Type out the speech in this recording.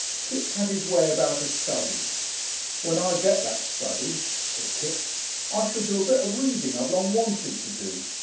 Kipps had his way about a study. "When I get that study," said Kipps, "I shall do a bit of reading I've long wanted to do.